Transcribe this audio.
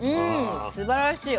すばらしい。